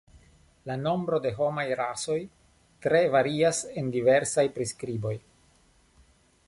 La nombro de homaj rasoj tre varias en diversaj priskriboj.